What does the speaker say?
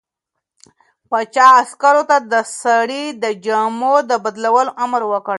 پاچا عسکرو ته د سړي د جامو د بدلولو امر وکړ.